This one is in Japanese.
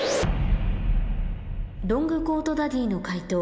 ロングコートダディの解答